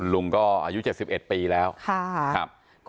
ลุงก็อายุ๗๑ปีแล้ว